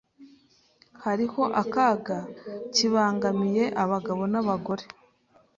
Hariho akaga kibangamiye abagabo n'abagore